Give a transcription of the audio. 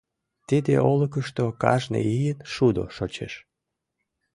Тиде олыкышто кажне ийын шудо шочеш.